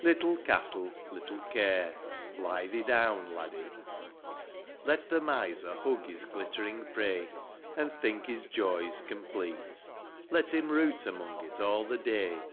Little cattle, little care ; Lie thee down, Laddie ! III. Let the miser hug his glittering prey, An' think his joys complete ; Let him root among it all the day.